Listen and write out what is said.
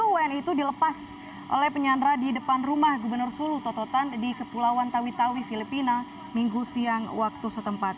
sepuluh wni itu dilepas oleh penyandra di depan rumah gubernur sulu tototan di kepulauan tawi tawi filipina minggu siang waktu setempat